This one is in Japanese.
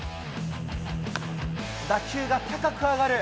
打球が高く上がる。